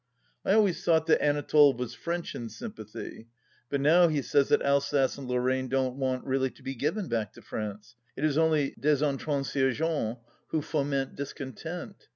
I always thought that Anatole was French in sympathy, but now he says that Alsace and Lor raine don't want really to be given back to France; it is only des intransigeants who foment discontent.